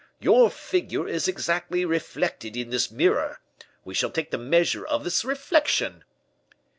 Your figure is exactly reflected in this mirror. We shall take the measure of this reflection.